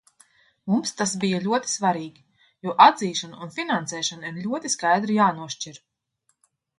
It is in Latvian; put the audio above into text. Mums tas bija ļoti svarīgi, jo atzīšana un finansēšana ir ļoti skaidri jānošķir.